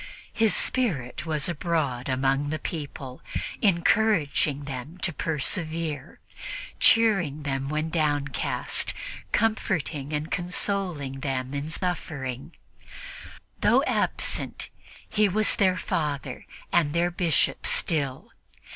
His spirit was abroad among the people, encouraging them to persevere, cheering them when downcast, comforting and consoling them in suffering. Though absent, he was their Father and their Bishop still.